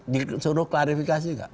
disuruh klarifikasi tidak